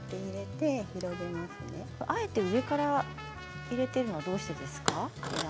あえて上から入れているのはどうしてですか。